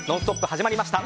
始まりました。